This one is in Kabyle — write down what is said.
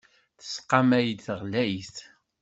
Tesɣamay-d ɣlayet.